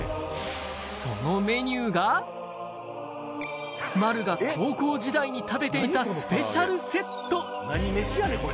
そのメニューが、丸が高校時代に食べていたスペシャルセット。